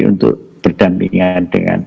untuk berdampingan dengan